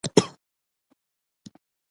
تر دې روایاتي مشرتوب یې نقش ګټور و.